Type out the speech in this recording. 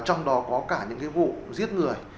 trong đó có cả những vụ giết người